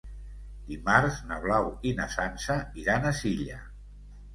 Dimarts na Blau i na Sança iran a Silla.